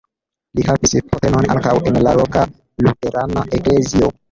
Li havis postenon ankaŭ en la loka luterana eklezio.